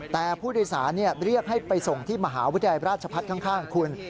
แต่ผู้โดยสารเรียกให้ไปส่งที่มหาวิทยาลัยราชพัฒน์ข้างคุณ